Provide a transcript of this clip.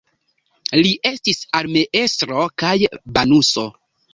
Li estis armeestro kaj banuso.